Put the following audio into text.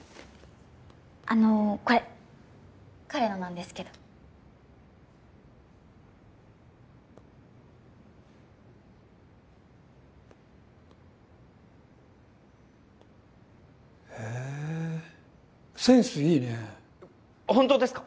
あのこれ彼のなんですけどへえセンスいいね本当ですか！？